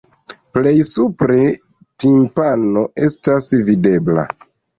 Plej supre timpano estas videbla.